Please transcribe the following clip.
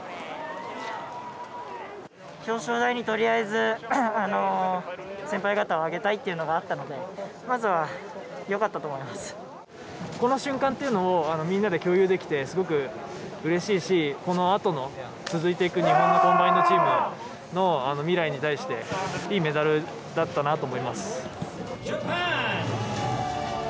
表彰台にとりあえず先輩方をあげたいというのがあったのでこの瞬間というのをみんなで共有できてすごくうれしいし、このあとの続いていく日本の後輩のチームの未来に対していいメダルだったなと思います。